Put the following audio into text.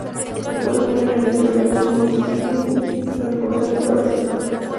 Se pueden poner en el exterior como los Cymbidium para forzar la floración.